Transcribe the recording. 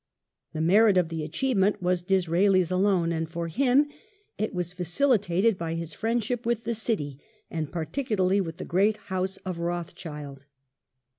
^ The merit of the achievement was Disraeli's alone, and for him it was facilitated by his^friendship with the " city " and particularly with the great house of Rothschild.